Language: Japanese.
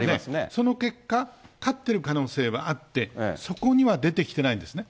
その結果、勝ってる可能性はあって、そこには出てきてないんですね。